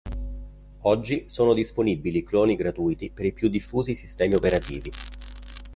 Oggi sono disponibili cloni gratuiti per i più diffusi sistemi operativi.